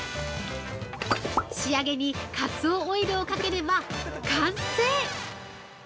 仕上げにカツオオイルをかければ完成。